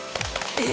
え？